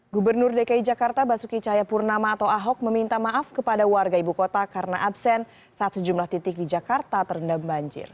gubernur dki jakarta basuki cahayapurnama atau ahok meminta maaf kepada warga ibu kota karena absen saat sejumlah titik di jakarta terendam banjir